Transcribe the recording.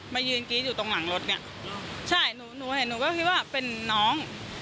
มายืนกรี๊ดอยู่ตรงหลังรถเนี้ยใช่หนูหนูเห็นหนูก็คิดว่าเป็นน้อง